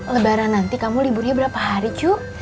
lebaran nanti kamu liburnya berapa hari cuk